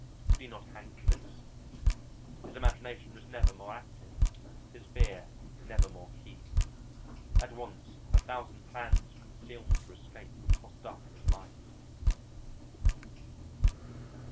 Could he not hang for this? His imagination was never more active; his fear never more keen. At once a thousand plans of concealment or escape were tossed up in his mind.